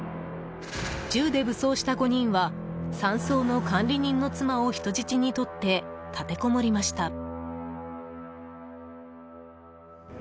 銃で武装した５人は山荘の管理人の妻を人質にとって立てこもりました。